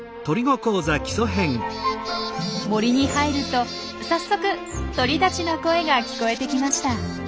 森に入ると早速鳥たちの声が聞こえてきました。